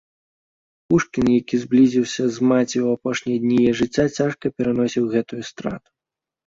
Пушкін, які зблізіўся з маці ў апошнія дні яе жыцця, цяжка пераносіў гэтую страту.